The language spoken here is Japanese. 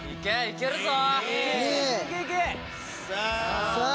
行けるぞ。